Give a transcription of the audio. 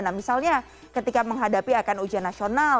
nah misalnya ketika menghadapi akan ujian nasional